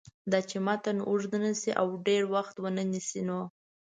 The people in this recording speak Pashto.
داچې متن اوږد نشي او ډېر وخت ونه نیسي نو